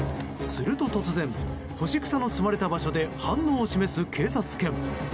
すると突然干し草の積まれた場所で反応を示す警察犬。